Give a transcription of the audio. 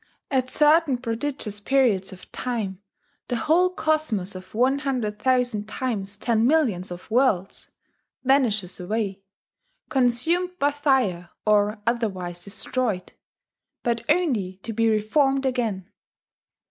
At certain prodigious periods of time, the whole cosmos of "one hundred thousand times ten millions of worlds" vanishes away, consumed by fire or otherwise destroyed, but only to be reformed again.